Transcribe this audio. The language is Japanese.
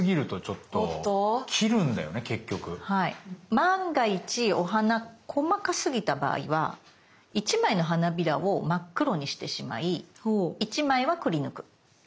万が一お花細かすぎた場合は１枚の花びらを真っ黒にしてしまい１枚はくりぬく。